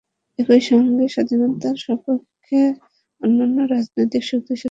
একই সঙ্গে স্বাধীনতার সপক্ষের অন্যান্য রাজনৈতিক শক্তিগুলোকেও ঐক্যবদ্ধ করার চেষ্টা চলবে।